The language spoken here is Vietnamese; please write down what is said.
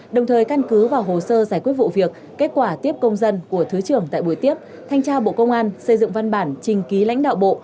đồng thời căn cứ vào hồ sơ giải quyết vụ việc kết quả tiếp công dân của thứ trưởng tại buổi tiếp thanh tra bộ công an xây dựng văn bản trình ký lãnh đạo bộ